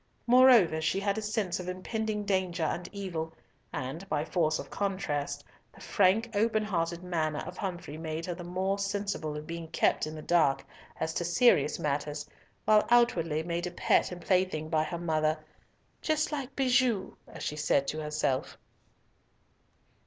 Moreover, she had a sense of impending danger and evil, and, by force of contrast, the frank, open hearted manner of Humfrey made her the more sensible of being kept in the dark as to serious matters, while outwardly made a pet and plaything by her mother, "just like Bijou," as she said to herself.